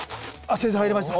先生入りました。